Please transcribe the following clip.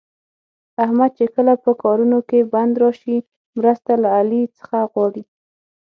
احمد چې کله په کارونو کې بند راشي، مرسته له علي څخه غواړي.